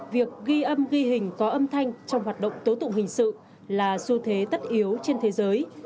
việc ghi âm ghi hình có âm thanh trong hoạt động tố tụng hình sự là xu thế tất yếu trên thế giới